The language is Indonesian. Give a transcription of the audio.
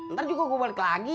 ntar juga gue balik lagi